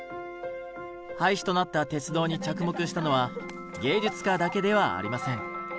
廃止となった鉄道に着目したのは芸術家だけではありません。